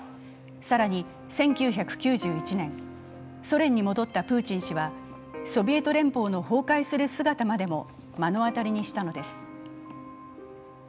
更に１９９１年、ソ連に戻ったプーチン氏はソビエト連邦の崩壊する姿までも目の当たりにしたのです。